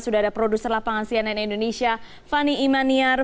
sudah ada produser lapangan cnn indonesia fani imaniar